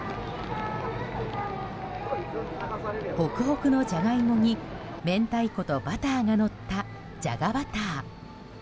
ホクホクのジャガイモに明太子とバターがのったじゃがバター。